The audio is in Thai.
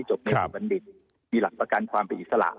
จบในประวัติบัณฑิตมีหลักประกันความอิสระ